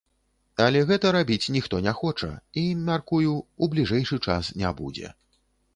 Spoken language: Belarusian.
Але гэта рабіць ніхто не хоча і, мяркую, у бліжэйшы час не будзе.